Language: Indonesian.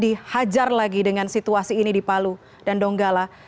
dihajar lagi dengan situasi ini di palu dan donggala